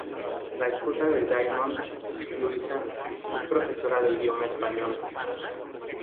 La esposa de Diamond, Louisa, es profesora de idioma español.